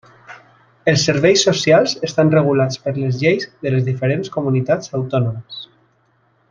Els serveis socials estan regulats per les lleis de les diferents comunitats autònomes.